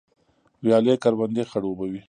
ویالې کروندې خړوبوي